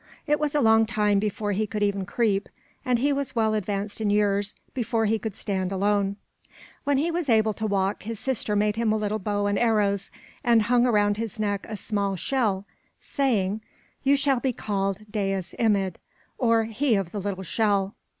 It was a long time before he could even creep, and he was well advanced in years before he could stand alone. When he was able to walk, his sister made him a little bow and arrows, and hung around his neck a small shell, saying: "You shall be called Dais Imid, or He of the Little Shell."